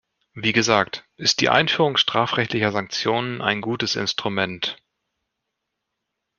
Wie gesagt, ist die Einführung strafrechtlicher Sanktionen ein gutes Instrument.